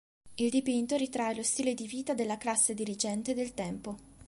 Il dipinto ritrae lo stile di vita della classe dirigente del tempo.